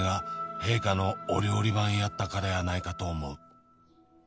「陛下のお料理番やったからやないかと思う」